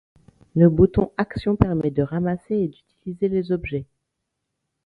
Le bouton Action permet de ramasser et d'utiliser les objets.